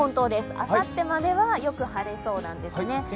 あさってまではよく晴れそうなんですね。